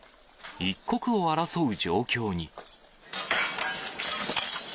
一刻を争う状況に。